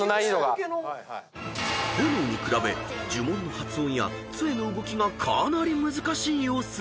［炎に比べ呪文の発音や杖の動きがかなり難しい様子］